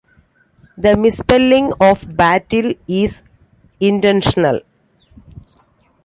The misspelling of "Battel" is intentional.